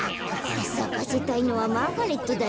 さかせたいのはマーガレットだってば。